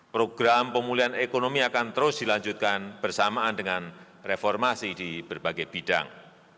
program pemulihan ekonomi akan terus dilanjutkan bersamaan dengan reformasi di berbagai bidang